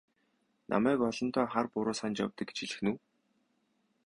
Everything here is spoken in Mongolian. Намайг олондоо хар буруу санаж явдаг гэж хэлэх нь үү?